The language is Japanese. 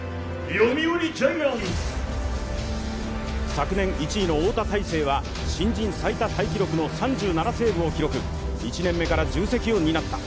昨年１位の翁田大勢は新人最多の３７セーブを記録、１年目から重責を担った。